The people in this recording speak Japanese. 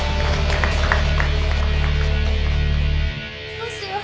どうしよう。